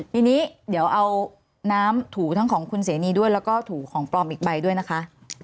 ทีนี้เดี๋ยวเอาน้ำถูทั้งของคุณเสนีด้วยแล้วก็ถูของปลอมอีกใบด้วยนะคะ